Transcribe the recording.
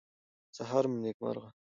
سهار مو نیکمرغه.